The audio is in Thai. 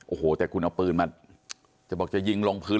โอ้โหแต่คุณเอาปืนมาจะบอกจะยิงลงพื้น